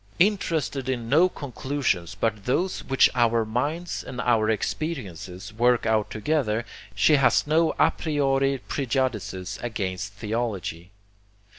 Interested in no conclusions but those which our minds and our experiences work out together, she has no a priori prejudices against theology.